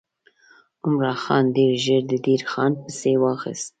عمرا خان ډېر ژر د دیر خان پسې واخیست.